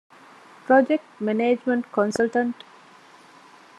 ޕްރޮޖެކްޓް މެނޭޖްމަންޓް ކޮންސަލްޓަންޓް